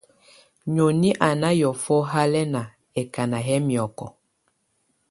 Noni á na hiɔ̀fɔ halɛna, ɛkana yɛ miɔkɔ.